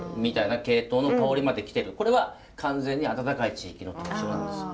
これは完全に暖かい地域の特徴なんですよ。